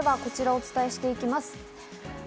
では続いてはこちらをお伝えしていきます。